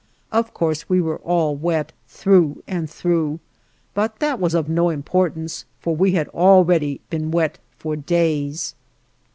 Of course we were all wet, through and through, but that was of no importance, for we had already been wet for days.